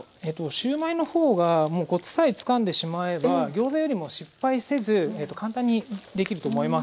シューマイの方がもうコツさえつかんでしまえばギョーザよりも失敗せず簡単にできると思います。